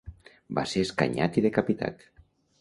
Va ser escanyat i decapitat.